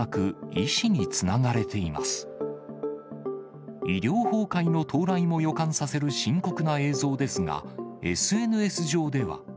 医療崩壊の到来も予感させる深刻な映像ですが、ＳＮＳ上では。